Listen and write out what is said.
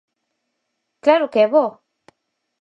¡Claro que é bo!